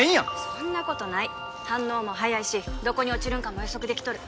そんなことない反応も早いしどこに落ちるんかも予測できとる